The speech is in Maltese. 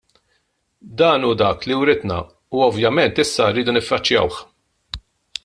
Dan hu dak li writna u ovvjament issa rridu niffaċċjawh.